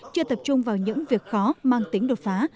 chưa tập trung vào những việc khó mang tính đột phá